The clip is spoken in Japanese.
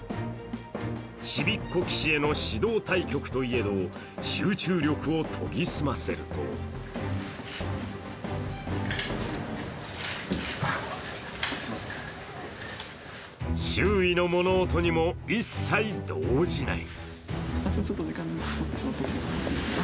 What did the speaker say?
ちびっこ棋士への指導対局といえど集中力を研ぎ澄ませると周囲の物音にも一切動じない。